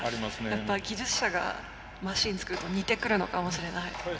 やっぱ技術者がマシン作ると似てくるのかもしれない。